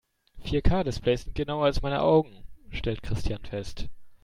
Vier-K-Displays sind genauer als meine Augen, stellt Christian fest.